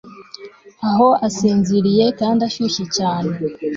aho asinziriye kandi ashyushye cyane